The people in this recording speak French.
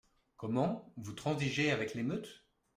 Comment ! vous transigez avec l’émeute ?